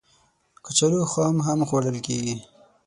کچالو خام هم خوړل کېږي